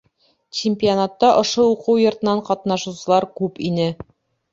Чемпионатта ошо уҡыу йортонан ҡатнашыусылар күп ине.